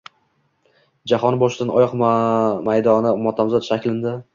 Jahon boshdan oyoq maydoni motamzod shaklinda